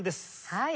はい。